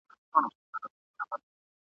چي هر چا د سرو او سپینو پیمانې دي درلودلي !.